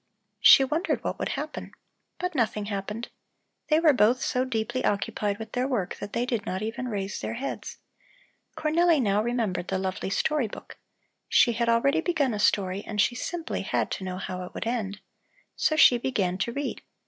She wondered what would happen. But nothing happened. They were both so deeply occupied with their work that they did not even raise their heads. Cornelli now remembered the lovely story book. She had already begun a story and she simply had to know how it would end. So she began to read.